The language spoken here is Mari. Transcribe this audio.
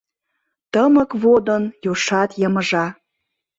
Тымык водын южшат йымыжа.